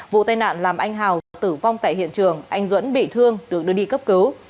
vụ tai nạn làm anh hào tử vong tại hiện trường anh duẫn bị thương được đưa đi cấp cứu